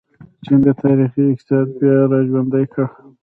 چین د تاریخي اقتصاد بیا راژوندی کړ.